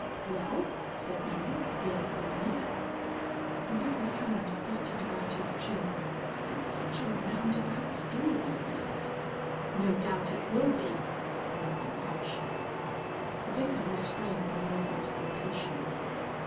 "Well?" said Mendham, at the end of a minute. The Vicar's hand fluttered about his chin. "It's such a round about story," he said. "No doubt it will be," said Mendham harshly. The Vicar restrained a movement of impatience.